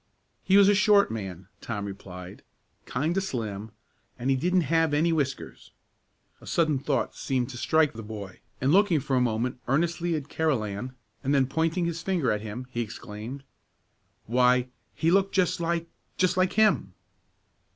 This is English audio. "He was a short man," Tom replied, "kind o' slim, an' he didn't have any whiskers" a sudden thought seemed to strike the boy, and looking for a moment earnestly at Carolan, and then pointing his finger at him, he exclaimed, "Why, he looked just like just like him!"